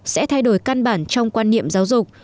sẽ thay đổi căn bản trong quan niệm giáo dục